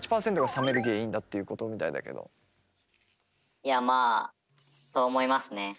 いやまあそう思いますね。